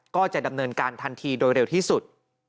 ก็จะดำเนินการทันทีโดยเร็วที่สุด